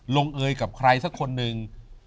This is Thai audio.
ลงเอยกับใครสักคนหนึ่ง